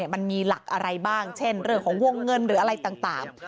มันมีหลักอะไรบ้างเช่นเรื่องของวงเงินหรืออะไรต่าง